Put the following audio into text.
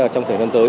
trong thời gian tới